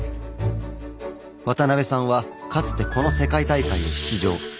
渡邉さんはかつてこの世界大会に出場。